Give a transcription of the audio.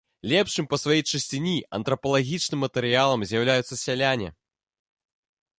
Лепшым па сваёй чысціні антрапалагічным матэрыялам з'яўляюцца сяляне.